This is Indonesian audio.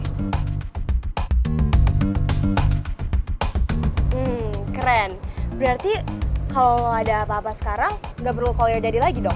hmm keren berarti kalau ada apa apa sekarang gak perlu call your daddy lagi dong